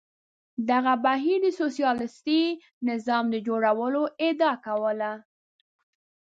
دغه بهیر د سوسیالیستي نظام د جوړولو ادعا کوله.